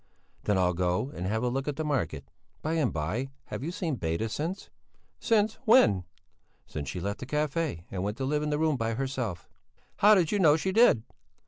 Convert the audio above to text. "Then I'll go and have a look at the market. By the by, have you seen Beda since?" "Since when?" "Since she left the café and went to live in a room by herself." "How do you know she did?"